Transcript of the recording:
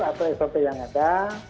atau sop yang ada